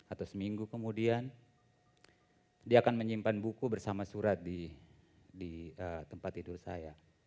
atau seminggu kemudian dia akan menyimpan buku bersama surat di tempat tidur saya